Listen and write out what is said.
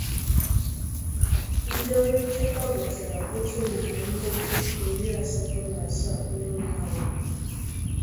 Ndị ọrụ nchekwa gụtara otu narị mmadụ n’iri asatọ n’asaa ndị nwụrụ anwụ